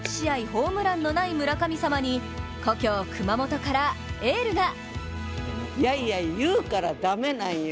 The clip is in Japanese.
ホームランのない村神様に故郷・熊本からエールが。